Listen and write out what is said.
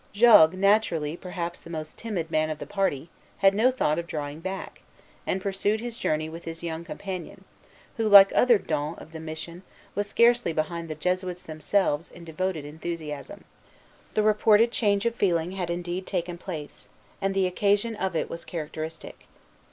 Jogues, naturally perhaps the most timid man of the party, had no thought of drawing back, and pursued his journey with his young companion, who, like other donnés of the missions; was scarcely behind the Jesuits themselves in devoted enthusiasm. Journal des Supérieurs des Jésuites. MS. Ibid. The reported change of feeling had indeed taken place; and the occasion of it was characteristic.